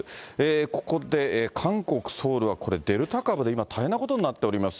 ここで、韓国・ソウルはデルタ株で今、大変なことになっております。